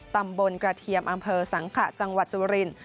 ตำบลกระเทียมอำเภอสังขะจังหวัดสุรินทร์